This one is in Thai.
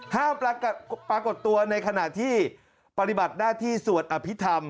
ปรากฏตัวในขณะที่ปฏิบัติหน้าที่สวดอภิษฐรรม